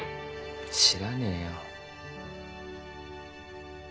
知らねえよ。